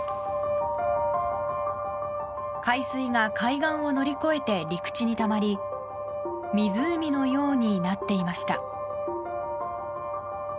海水が海岸を乗り越えて陸地にたまり湖のようになっていました。